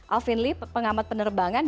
alvin lee pengamat penerbangan